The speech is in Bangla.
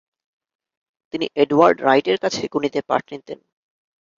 তিনি এডওয়ার্ড রাইটের কাছে গণিতের পাঠ নিতেন।